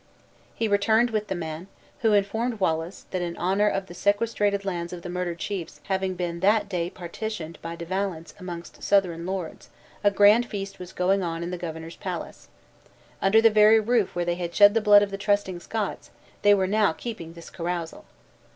He returned with the man; who informed Wallace, that in honor of the sequestrated lands of the murdered chiefs having been that day partitioned by De Valance amongst certain Southron lords, a grand feast was going on in the governor's palace. Under the very roof where they had shed the blood of the trusting Scots, they were now keeping this carousal!